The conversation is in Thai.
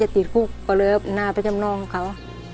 ที่จำกับน้องเขา